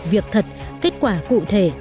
việc thật kết quả cụ thể